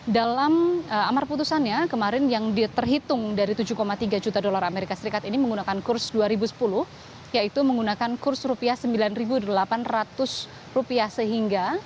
dalam amar putusannya kemarin yang diterhitung dari tujuh tiga juta dolar amerika serikat ini menggunakan kurs dua ribu sepuluh yaitu menggunakan kurs rupiah sembilan delapan ratus rupiah